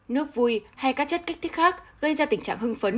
nước vui hay các chất kích thích khác gây ra tình trạng hưng phấn